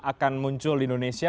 akan muncul di indonesia